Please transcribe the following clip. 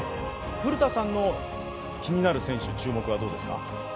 古田さんの気になる選手、注目はどうですか。